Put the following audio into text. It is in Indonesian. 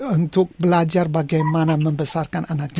untuk belajar bagaimana membesarkan anaknya